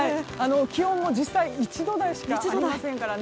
気温も実際１度台しかありませんからね。